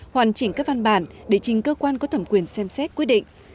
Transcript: hoàn chỉnh các văn bản để trình cơ quan có thẩm quyền xem xét quyết định